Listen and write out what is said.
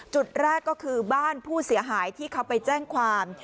จุดแรกก็คือบ้านผู้เสียหายที่เขาไปแจ้งความ